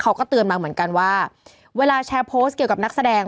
เขาก็เตือนมาเหมือนกันว่าเวลาแชร์โพสต์เกี่ยวกับนักแสดง